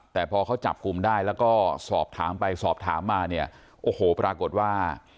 แต่พอเขาจับกลุ่มได้แล้วก็สอบถามไปสอบถามมาเนี่ยโอ้โหปรากฏว่า